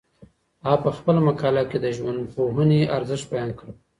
هغه په خپله مقاله کي د ژوندپوهنې ارزښت بیان کړ.